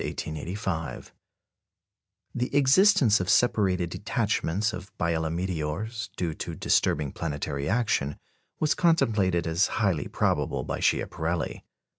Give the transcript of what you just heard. " The existence of separated detachments of Biela meteors, due to disturbing planetary action, was contemplated as highly probable by Schiaparelli.